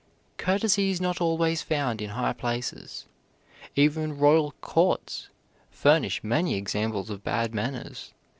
Courtesy is not always found in high places. Even royal courts furnish many examples of bad manners.